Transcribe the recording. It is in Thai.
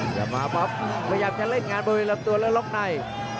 พยายามจะเล่นงานบริเวณลำตัวแล้วล๊อคใน